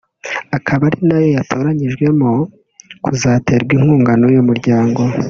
akaba ari na yo yatoranyijwemo kuzaterwa inkunga n’uyu muryango